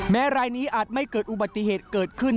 รายนี้อาจไม่เกิดอุบัติเหตุเกิดขึ้น